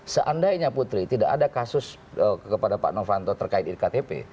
seandainya putri tidak ada kasus kepada pak novanto terkait iktp